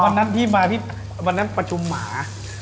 วันนั้นพี่มาพี่วันนั้นประชุมหมา